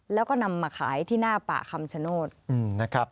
แล้วก็นำมาขายที่หน้าป่าคำชโนธนะครับ